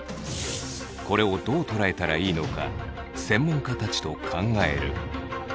これをどう捉えたらいいのか専門家たちと考える。